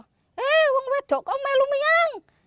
hei orang wedok kok melu melu yang